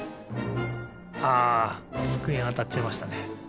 あつくえにあたっちゃいましたね。